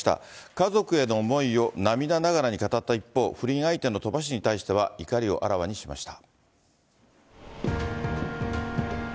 家族への思いを涙ながらに語った一方、不倫相手の鳥羽氏に対しては、怒りをあらわにしました。